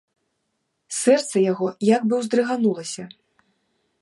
Сэрца яго як бы ўздрыганулася.